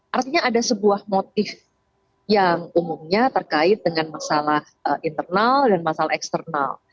artinya ada sebuah motif yang umumnya terkait dengan masalah internal dan masalah eksternal